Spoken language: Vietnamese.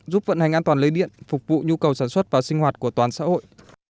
giúp vận hành an toàn lưới điện phục vụ nhu cầu sản xuất và sinh hoạt của toàn xã hội